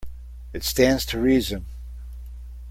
It stands to reason.